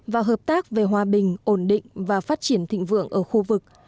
và hợp tác về hòa bình ổn định và phát triển thịnh vượng ở khu vực